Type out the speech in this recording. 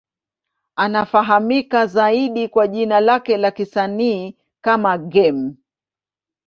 Anafahamika zaidi kwa jina lake la kisanii kama Game.